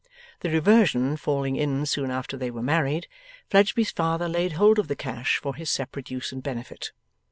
The reversion falling in soon after they were married, Fledgeby's father laid hold of the cash for his separate use and benefit.